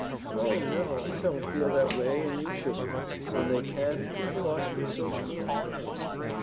"Oh no! I don't feel that way and you shouldn't. When they can, people ought to be sociable and kind."